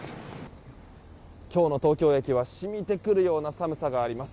今日の東京駅はしみてくるような寒さがあります。